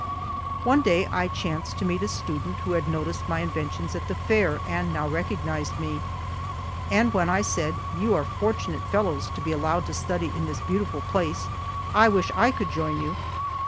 One day I chanced to meet a student who had noticed my inventions at the Fair and now recognized me. And when I said, "You are fortunate fellows to be allowed to study in this beautiful place. I wish I could join you."